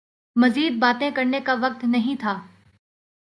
مزید باتیں کرنے کا وقت نہیں تھا